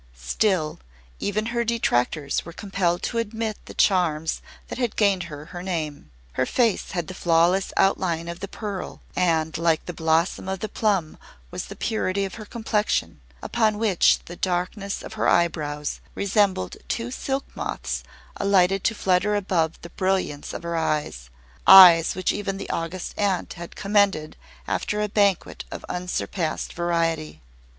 Still, even her detractors were compelled to admit the charms that had gained her her name. Her face had the flawless outline of the pearl, and like the blossom of the plum was the purity of her complexion, upon which the darkness of her eyebrows resembled two silk moths alighted to flutter above the brilliance of her eyes eyes which even the August Aunt had commended after a banquet of unsurpassed variety.